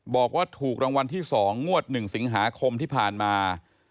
บอกว่าถูกรางวัลที่๒งวด๑สิงหาคมที่ผ่านมา